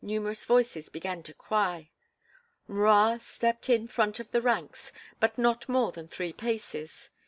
numerous voices began to cry. M'Rua stepped in front of the ranks, but not more than three paces.